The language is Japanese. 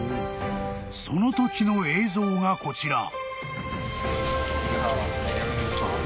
［そのときの映像がこちら］